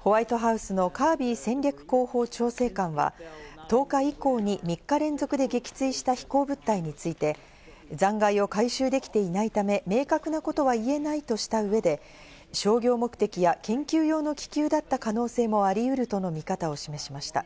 ホワイトハウスのカービー戦略広報調整官は１０日以降に３日連続で撃墜した飛行物体について、残骸を回収できていないため、明確なことは言えないとした上で、商業目的や研究用の気球だった可能性もありうるとの見方を示しました。